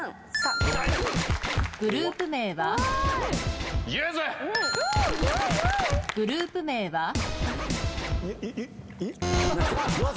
グループ名は？